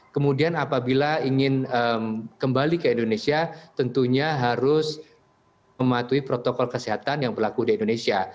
kemudian apabila ingin kembali ke indonesia tentunya harus mematuhi protokol kesehatan yang berlaku di indonesia